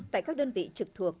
tại các đơn vị trực thuộc